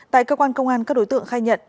tại cơ quan công an các đối tượng khai nhận